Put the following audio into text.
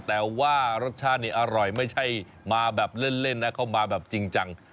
แต่ว่ารสชาตินี่อร่อยไม่ใช่มาแบบเล่นนะเข้ามาแบบจริงจัง